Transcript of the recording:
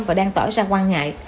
và đang tỏ ra quan ngại